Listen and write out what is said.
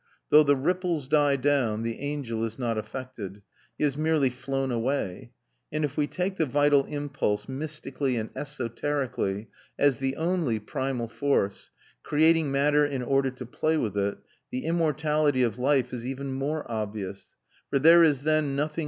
Though the ripples die down, the angel is not affected. He has merely flown away. And if we take the vital impulse mystically and esoterically, as the only primal force, creating matter in order to play with it, the immortality of life is even more obvious; for there is then nothing else in being that could possibly abolish it.